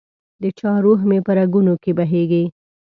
دچا روح مي په رګونو کي بهیږي